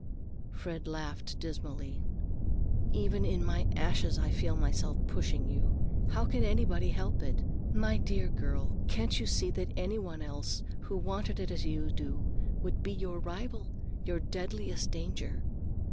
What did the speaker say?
Fred laughed dismally. "Even in my ashes I feel myself pushing you! How can anybody help it? My dear girl, can't you see that anybody else who wanted it as you do would be your rival, your deadliest danger?